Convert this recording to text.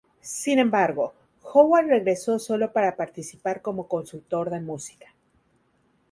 Sin embargo, Howard regresó solo para participar como consultor de música.